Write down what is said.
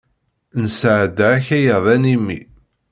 Nesɛedda akayad animi.